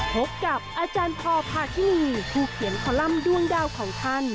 พบกับอาจารย์พอพาทินีผู้เขียนคอลัมป์ด้วงดาวของท่าน